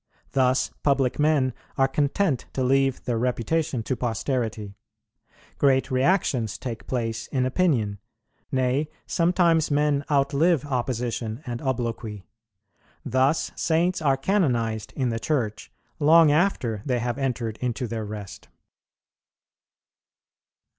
Thus public men are content to leave their reputation to posterity; great reactions take place in opinion; nay, sometimes men outlive opposition and obloquy. Thus Saints are canonized in the Church, long after they have entered into their rest.